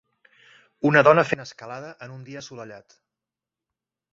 Una dona fent escalada en un dia assolellat.